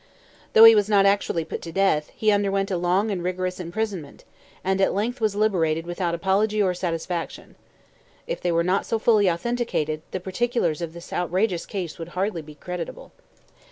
Though he was not actually put to death, he underwent a long and rigorous imprisonment, and at length was liberated without apology or satisfaction. If they were not so fully authenticated, the particulars of this outrageous case would hardly be credible.